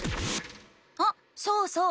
あそうそう！